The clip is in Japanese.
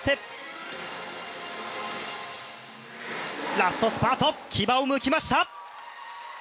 ラストスパート、牙をむきました。